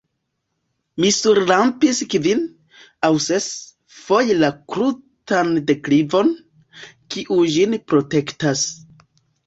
Mi surrampis kvin- aŭ ses-foje la krutan deklivon, kiu ĝin protektas.